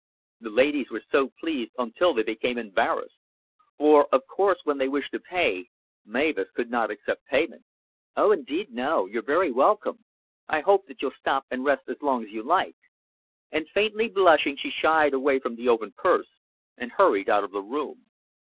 The ladies were so pleased, until they became embarrassed. For of course when they wished to pay, Mavis could not accept payment. "Oh, indeed no. You're very welcome. I hope that you'll stop and rest as long as you like;" and faintly blushing she shied away from the open purse and hurried out of the room.